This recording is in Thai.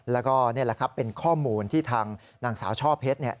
แล้วก็นี่แหละครับเป็นข้อมูลที่ทางนางสาวช่อเพชรเนี่ย